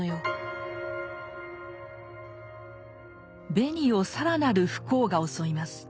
ベニを更なる不幸が襲います。